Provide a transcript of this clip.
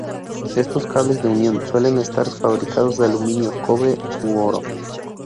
Estos cables de unión suelen estar fabricados de aluminio, cobre u oro.